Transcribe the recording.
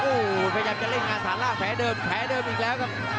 โอ้พยายามจะเล่นงานสาหร่าแผ่เดิมแผ่เดิมอีกแล้วครับ